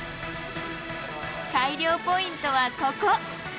改良ポイントはここ！